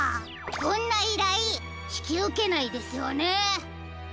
こんないらいひきうけないですよね？